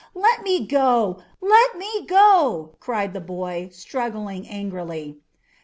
"Let me go let me go!" cried the boy, struggling angrily.